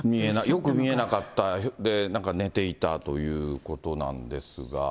よく見えなかった、で、なんか寝ていたということなんですが。